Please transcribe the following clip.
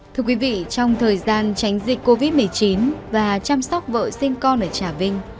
thưa quý vị trong thời gian tránh dịch covid một mươi chín và chăm sóc vợ sinh con ở trà vinh